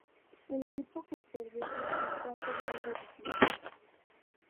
El equipo que perdió clasificó al "Torneo Reducido".